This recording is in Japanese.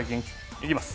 いきます、